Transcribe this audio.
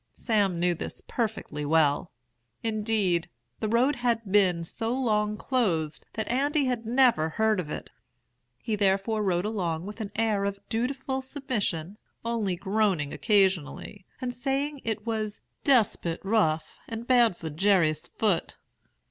Sam knew this perfectly well; indeed, the road had been so long closed that Andy had never heard of it. He therefore rode along with an air of dutiful submission, only groaning occasionally, and saying it was 'desp't rough, and bad for Jerry's foot.'